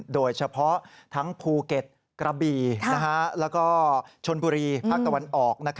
โดยเฉพาะทั้งภูเก็ตกระบี่แล้วก็ชนบุรีภาคตะวันออก